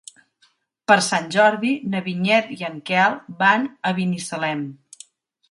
Per Sant Jordi na Vinyet i en Quel van a Binissalem.